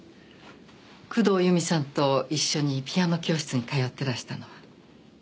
工藤由美さんと一緒にピアノ教室に通ってらしたのは。